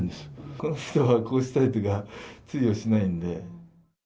この人はこうしたいというのが通用しないんで。